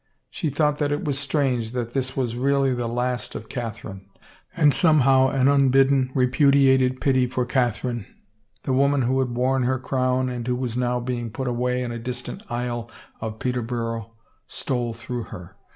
She thought that it was strange that this was really the last of Catherine, and somehow an unbidden, repudiated pity for Catherine, the woman who had worn her crown and who was being now put away in a distant aisle of Peter borough, stole through her.